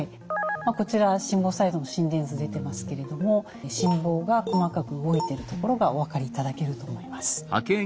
こちら心房細動の心電図出てますけれども心房が細かく動いてるところがお分かりいただけると思います。